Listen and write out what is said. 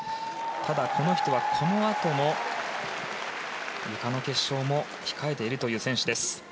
ただこの人はこのあとの、ゆかの決勝も控えているという選手です。